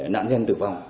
nạn nhân tử vong